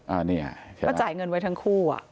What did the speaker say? มันจ่ายเงินไว้ทั้งคู่